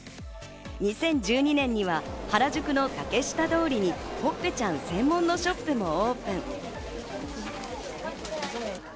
２０１２年には原宿の竹下通りに、ほっぺちゃん専門のショップもオープン。